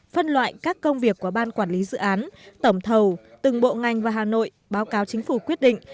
phân loại các công việc của ban quản lý dự án tổng thầu từng bộ ngành và hà nội báo cáo chính phủ quyết định